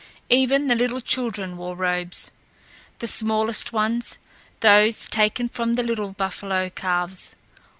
Even the little children wore robes, the smallest ones those taken from the little buffalo calves.